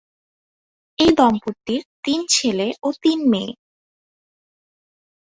এ দম্পতির তিন ছেলে ও তিন মেয়ে।